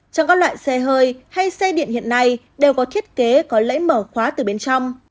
trong các loại xe hơi hay xe điện hiện nay đều có thiết kế có lẽ mở khóa từ bên trong